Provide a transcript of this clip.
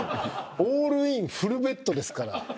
オールインフルベットですから。